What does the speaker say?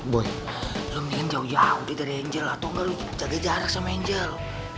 boy lo mendingan jauh jauh dari angel atau enggak lo jaga jarak sama angel